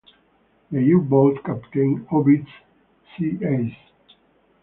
The U-boat captain, Oblt.z.S.